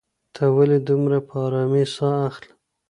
ته ولې دومره په ارامۍ ساه اخلې؟